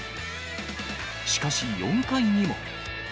しかし４回にも。